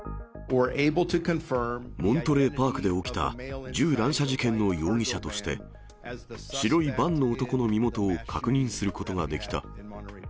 モントレーパークで起きた銃乱射事件の容疑者として、白いバンの男の身元を確認することができた。